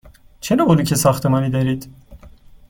چه نوع بلوک ساختمانی دارید؟